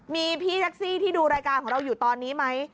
มีพี่แท็กซี่ที่ดูรายการของเราอยู่ตอนนี้ไหม